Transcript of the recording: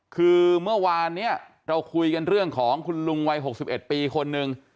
คือเมื่อวานเนี้ยเราคุยกันเรื่องของคุณลุงวัยหกสิบเอ็ดปีคนหนึ่ง